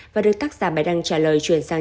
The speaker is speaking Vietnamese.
và được tác giả bài đăng trả lời chuyển sang